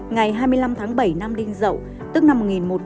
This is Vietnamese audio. ngày hai mươi năm tháng bảy năm đinh dậu tức năm một nghìn một trăm một mươi bảy